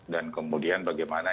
dan kemudian bagaimana